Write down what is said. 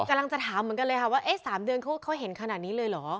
กำลังจะถามเหมือนกันเลยค่ะว่า๓เดือนเขาเห็นขนาดนี้เลยเหรอ